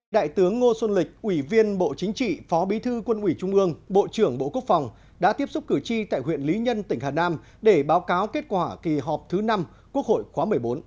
đại tướng ngô xuân lịch ủy viên bộ chính trị phó bí thư quân ủy trung ương bộ trưởng bộ quốc phòng đã tiếp xúc cử tri tại huyện lý nhân tỉnh hà nam để báo cáo kết quả kỳ họp thứ năm quốc hội khóa một mươi bốn